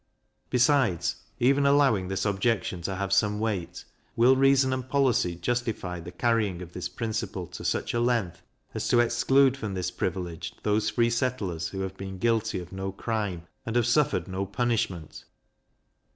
Besides, even allowing this objection to have some weight, will reason and policy justify the carrying of this principle to such a length, as to exclude from this privilege those free settlers who have been guilty of no crime, and have suffered no punishment?